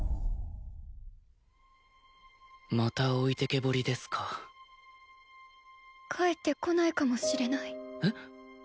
また置いてけぼりですか帰ってこないかもしれないえっ？